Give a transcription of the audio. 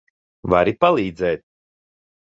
Vari palīdzēt?